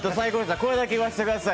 これだけ言わせてください。